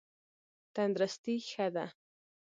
تندرستي ښه ده.